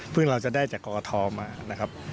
เพิ่งเราจะได้จากกรกฐมานะครับ